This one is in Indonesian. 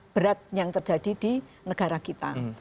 berat yang terjadi di negara kita